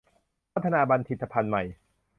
พัฒนาบัณฑิตพันธุ์ใหม่